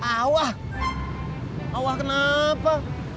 awah awah kenapa